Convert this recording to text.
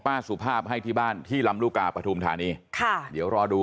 สุภาพให้ที่บ้านที่ลำลูกกาปฐุมธานีค่ะเดี๋ยวรอดู